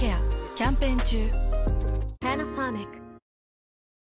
キャンペーン中。